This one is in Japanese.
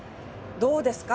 どうですか？